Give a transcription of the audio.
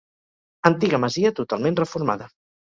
Antiga masia, totalment reformada.